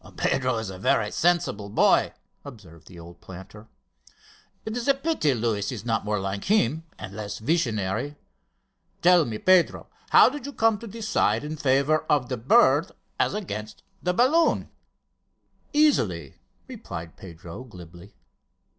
"Pedro is a very sensible boy," observed the old planter. "It is a pity Luis is not more like him and less visionary. Tell me, Pedro, how did you come to decide in favour of the bird as against the balloon?" "Easily," replied Pedro glibly.